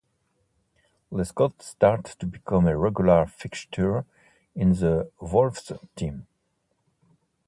Lescott started to become a regular fixture in the Wolves' team.